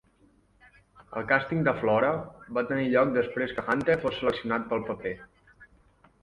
El càsting de Flora va tenir lloc després que Hunter fos seleccionat per al paper.